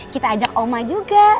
kita ajak oma juga